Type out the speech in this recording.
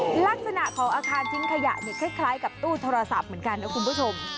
ลักษณะของอาคารทิ้งขยะเนี่ยคล้ายกับตู้โทรศัพท์เหมือนกันนะคุณผู้ชม